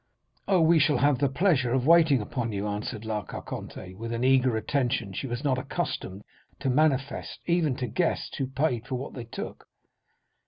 "'Oh, we shall have the pleasure of waiting upon you,' answered La Carconte, with an eager attention she was not accustomed to manifest even to guests who paid for what they took.